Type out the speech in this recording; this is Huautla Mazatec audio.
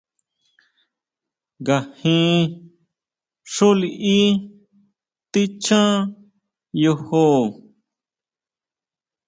¿Ngajin xú liʼí tichjan yojó?